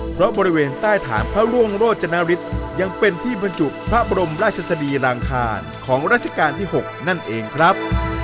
เพราะบริเวณใต้ฐานพระร่วงโรจนฤทธิ์ยังเป็นที่บรรจุพระบรมราชสดีรางคารของราชการที่๖นั่นเองครับ